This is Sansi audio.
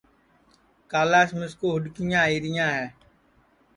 کالاس مِسکُو ہُوڈؔکیاں آئیریاں ہے